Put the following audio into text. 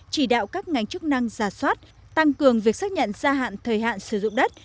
chỉ đạo các ngành chức năng giả soát tăng cường việc xác nhận gia hạn thời hạn sử dụng đất